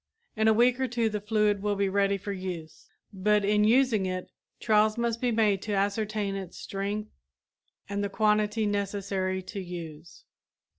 In a week or two the fluid will be ready for use, but in using it, trials must be made to ascertain its strength and the quantity necessary to use.